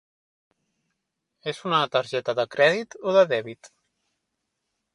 És una targeta de crèdit o de dèbit?